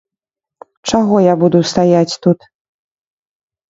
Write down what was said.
Чаго я буду стаяць тут?